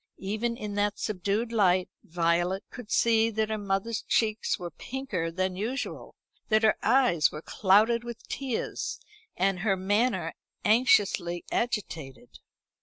Even in that subdued light Violet could see that her mother's cheeks were pinker than usual, that her eyes were clouded with tears, and her manner anxiously agitated.